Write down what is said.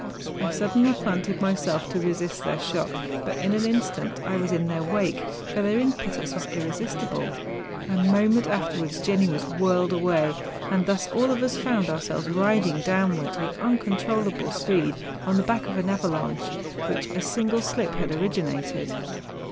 I suddenly planted myself to resist their shock, but in an instant I was in their wake, for their impetus was irresistible. A moment afterwards Jenni was whirled away, and thus all of us found ourselves riding downwards with uncontrollable speed on the back of an avalanche which a single slip had originated.